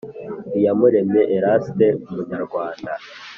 Iyamuremye eraste umunyarwanda